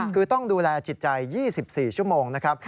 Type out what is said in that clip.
คือต้องดูแลจิตใจ๒๔ชั่วโมงนะครับ